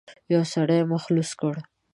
يوه سړي مخ لوڅ کړ.